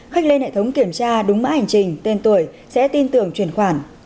khách lên hệ thống kiểm tra đúng mã hành trình tên tuổi sẽ tin tưởng chuyển khoản